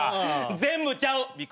全部ちゃう！